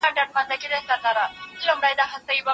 ستاینه باید په ښکاره وسي.